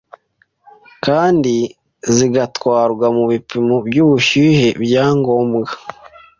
kandi zigatwarwa mu bipimo by'ubushyuhe bya ngombwa,